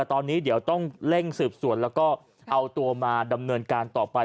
ตอนนี้เดี๋ยวต้องเร่งสืบสวนแล้วก็เอาตัวมาดำเนินการต่อไป